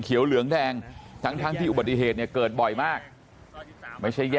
ขอให้เร่งแก้ไขให้หน่อย